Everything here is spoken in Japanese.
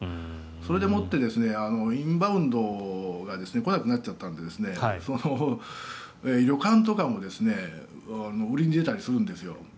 それでもってインバウンドが来れなくなっちゃったので旅館とかも売りに出たりするんですよ。